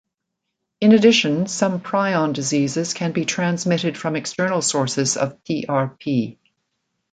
In addition, some prion diseases can be transmitted from external sources of PrP.